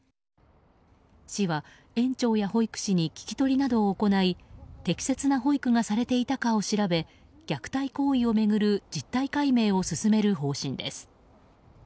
市は園長や保育士に聞き取りなどを行い適切な保育がされていたかを調べ虐待行為を巡る実態解明を進める方針です。